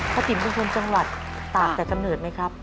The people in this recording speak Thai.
ติ๋มเป็นคนจังหวัดตากแต่กำเนิดไหมครับ